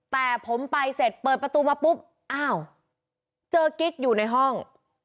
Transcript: แต่ผมไปเสร็จเปิดประตูมาปุ๊บอ้าวเจอกิ๊กอยู่ในห้อง